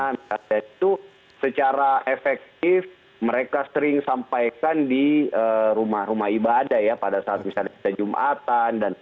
nah itu secara efektif mereka sering sampaikan di rumah rumah ibadah ya pada saat misalnya kita jumatan